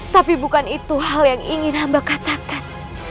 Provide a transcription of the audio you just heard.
tapi bukan itu hal yang ingin hamba katakan